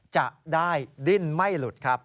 จะได้ดิ้นไม่หลุดครับ